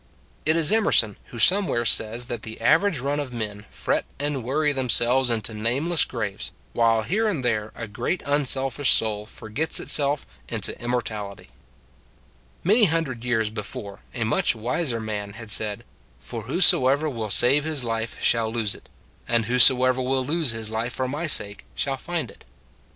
It is Emerson who somewhere says that the average run of men fret and worry themselves into nameless graves, while here and there a great unselfish soul for gets itself into immortality. Many hundred years before, a much wiser Man had said: " For whosoever will save his life shall lose it; and whoso 148 It s a Good Old World ever will lose his life for my sake shall find it."